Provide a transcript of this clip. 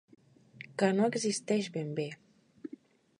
Que no existeix ben bé.